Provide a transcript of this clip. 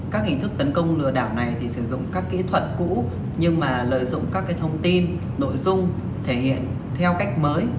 các hình thức tấn công lừa đảo này thì sử dụng các kỹ thuật cũ nhưng mà lợi dụng các thông tin nội dung thể hiện theo cách mới